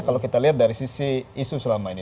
kalau kita lihat dari sisi isu selama ini